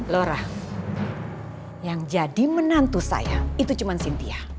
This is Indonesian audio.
laura yang jadi menantu saya itu cuma cynthia